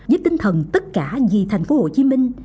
với tinh thần tất cả vì thành phố hồ chí minh